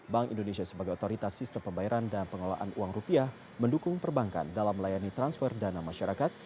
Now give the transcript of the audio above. bank indonesia sebagai otoritas sistem pembayaran dan pengelolaan uang rupiah mendukung perbankan dalam melayani transfer dana masyarakat